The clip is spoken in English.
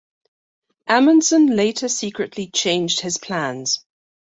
Amundsen later secretly changed his plans.